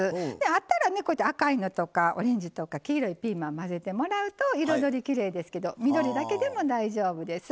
あったら赤いのとかオレンジとか黄色いピーマンまぜてもらうと彩りきれいですけど緑だけでも大丈夫です。